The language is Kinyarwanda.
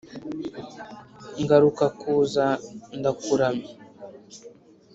ngaruka kuza ndakuramya.